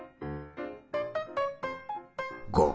５。